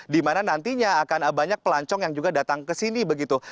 di mana nantinya akan banyak pelancong yang juga datang ke sini begitu